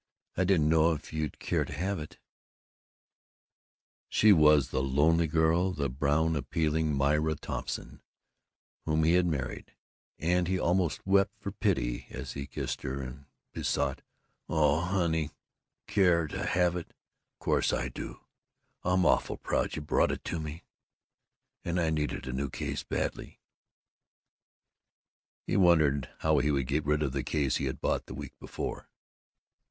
I don't know if you'd care to have it " She was the lonely girl, the brown appealing Myra Thompson, whom he had married, and he almost wept for pity as he kissed her and besought, "Oh, honey, honey, care to have it? Of course I do! I'm awful proud you brought it to me. And I needed a new case badly." He wondered how he would get rid of the case he had bought the week before.